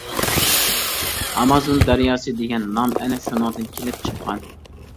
ئامازون دەرياسى دېگەن نام ئەنە شۇنىڭدىن كېلىپ چىققان.